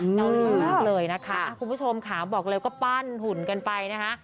เงาเหลืองเลยนะคะคุณผู้ชมขาบอกเลยก็ปั้นหุ่นกันไปนะคะ